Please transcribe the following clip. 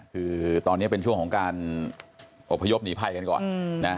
คือตอนนี้เป็นช่วงของการอบพยพหนีภัยกันก่อนนะ